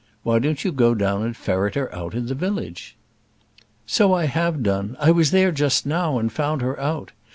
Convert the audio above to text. Why don't you go down and ferret her out in the village?" "So I have done. I was there just now, and found her out.